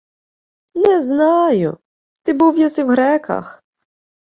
— Не знаю. Ти був єси в греках...